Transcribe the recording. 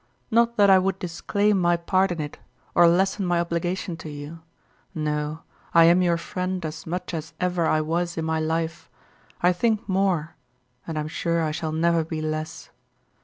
Not that I would disclaim my part in it or lessen my obligation to you, no, I am your friend as much as ever I was in my life, I think more, and I am sure I shall never be less.